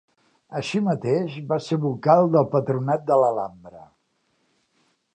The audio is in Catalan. Així mateix, va ser vocal del patronat de l'Alhambra.